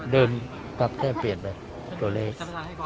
เดินปรับแทนเปลี่ยนไปตัวเลข